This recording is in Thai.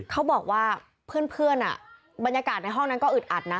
เขาบอกว่าเพื่อนบรรยากาศในห้องนั้นก็อึดอัดนะ